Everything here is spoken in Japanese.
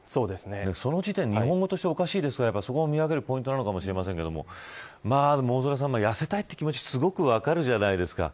その時点で日本語としてもおかしいですし、そこも見分けるポイントなのかもしれませんがやせたいという気持ちすごく分かるじゃないですか。